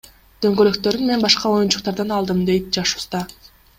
Дөңгөлөктөрүн мен башка оюнчуктардан алдым, — дейт жаш уста.